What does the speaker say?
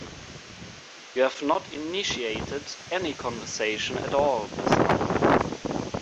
You have not initiated any conversation at all this month.